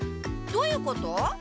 どういうこと？